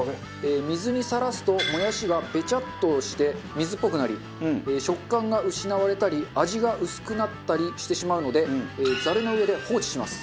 水にさらすともやしがべチャッとして水っぽくなり食感が失われたり味が薄くなったりしてしまうのでザルの上で放置します。